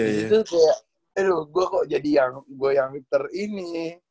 itu kayak aduh gue kok jadi yang gue yang winter ini